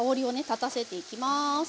立たせていきます。